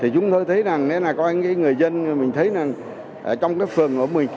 chúng tôi thấy là người dân ở trong phường của mình